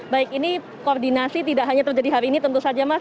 baik ini koordinasi tidak hanya terjadi hari ini tentu saja mas